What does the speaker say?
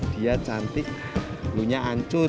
dia cantik lunya ancur